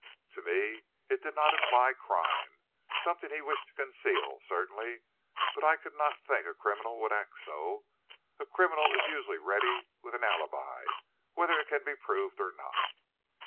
To me, it did not imply crime. Something he wished to conceal, certainly; but I could not think a criminal would act so. A criminal is usually ready with an alibi, whether it can be proved or not.